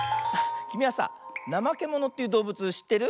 きみはさあ「なまけもの」っていうどうぶつしってる？